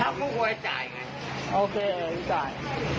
ทับก็กลัวให้จ่ายไงโอเคจ่าย